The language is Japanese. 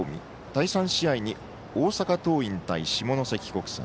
第３試合に大阪桐蔭対下関国際。